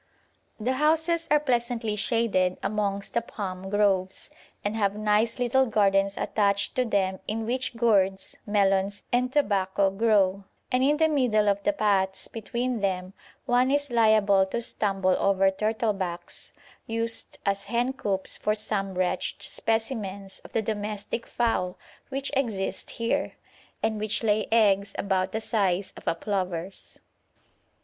The houses are pleasantly shaded amongst the palm groves, and have nice little gardens attached to them in which gourds, melons, and tobacco grow; and in the middle of the paths between them one is liable to stumble over turtlebacks, used as hencoops for some wretched specimens of the domestic fowl which exist here, and which lay eggs about the size of a plover's.